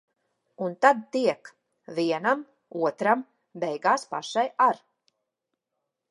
Un tad tiek. Vienam, otram, beigās pašai ar.